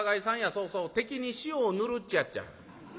そうそう『敵に塩を塗る』っちゅうやっちゃ」。